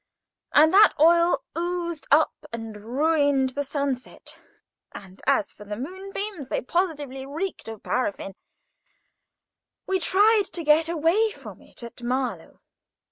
And that oil oozed up and ruined the sunset; and as for the moonbeams, they positively reeked of paraffine. We tried to get away from it at Marlow.